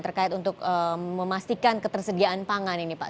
terkait untuk memastikan ketersediaan pangan ini pak